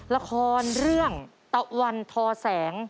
ละครเรื่องตะวันทอแสง